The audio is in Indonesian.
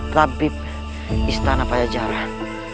tabib istana pajajaran